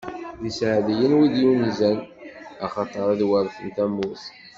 D iseɛdiyen, wid yunzen, axaṭer ad weṛten tamurt!